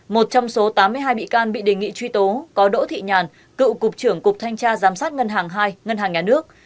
một trong số tám mươi hai bị can bị đề nghị truy tố có đỗ thị nhàn cựu cục trưởng cục thanh tra giám sát ngân hàng hai ngân hàng nhà nước